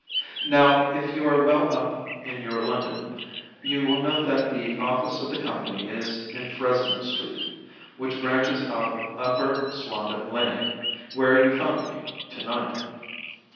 Now, if you are well up in your London, you will know that the office of the company is in Fresno Street, which branches out of Upper Swandam Lane, where you found me to night.